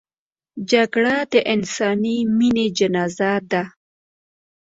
جګړه د انساني مینې جنازه ده